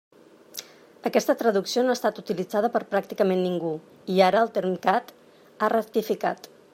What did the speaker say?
Aquesta traducció no ha estat utilitzada per pràcticament ningú, i ara el TERMCAT ha rectificat.